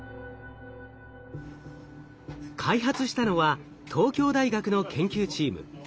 開発したのは東京大学の研究チーム。